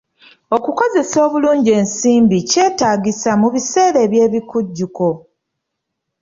Okukozesa obulungi ensimbi kyetaagisa mu biseera by'ebikujjuko